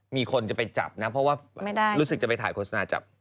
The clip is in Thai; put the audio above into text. มีคนจะไปจับนะเพราะว่ารู้สึกจะไปถ่ายโฆษณาจับ